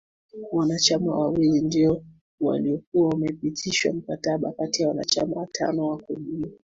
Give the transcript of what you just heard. wanachama wawili ndiyo waliyokuwa wameptisha mkataba kati ya wanachama watano wa kudumu